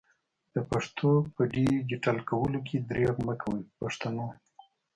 د پښتو په ډيجيټل کولو کي درېغ مکوئ پښتنو!